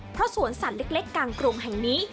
เพราะสวนสัตว์เล็กกลางกรุงแห่งนี้